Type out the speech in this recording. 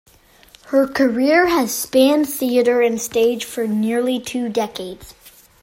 Her career has spanned theatre and stage for nearly two decades.